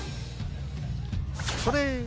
それ！